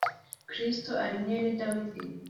Kristo ari mwene dawidi